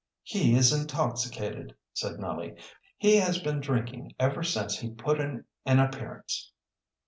"He is intoxicated," said Nellie. "We has been drinking ever since he put in an appearance."